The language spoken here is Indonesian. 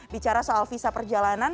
bicara soal visa perjalanan